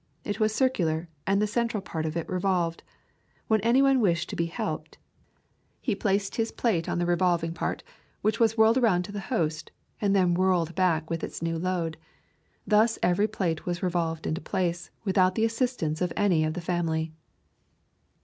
It was circular, and the central part of it revolved. When any one wished to be helped, he placed his plate on the revolving [59 ] A Thousand Mile W alk part, which was whirled around to the host, and then whirled back with its new load. Thus every plate was revolved into place, without the assistance of any of the family.